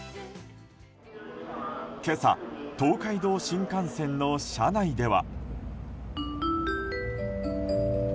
今朝東海道新幹線の車内では。